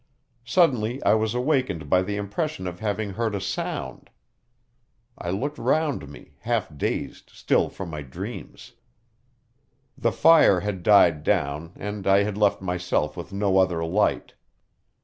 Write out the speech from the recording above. Suddenly I was awakened by the impression of having heard a sound. I looked round me, half dazed still from my dreams. The fire had died down, and I had left myself with no other light.